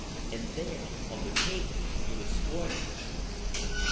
And there on the table were the spoils.